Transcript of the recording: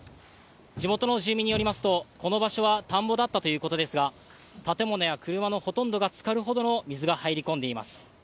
地元の住民によりますと、この場所は田んぼだったということですが、建物や車のほとんどがつかるほどの水が入り込んでいます。